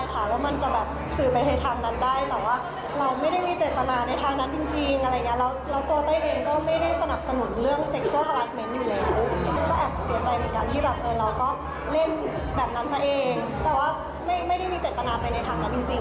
แค่หยอกเล่นกับเพื่อนแค่นั้นนะคะ